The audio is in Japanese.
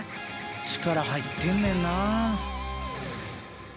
力入ってんねんな。